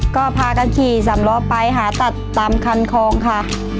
ก็พากันขี่สำล้อไปหาตัดตามคันคลองค่ะ